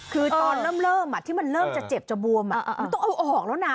คือตอนเริ่มที่มันเริ่มจะเจ็บจะบวมมันต้องเอาออกแล้วนะ